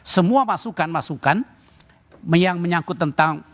semua masukan masukan yang menyangkut tentang